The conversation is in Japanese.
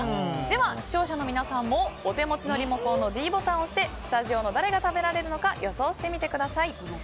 では、視聴者の皆さんもお手持ちのリモコンのｄボタンを押してスタジオの誰が食べられるのか予想してみてください。